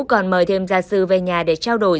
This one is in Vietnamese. còn mời thêm gia sư về nhà để trao đổi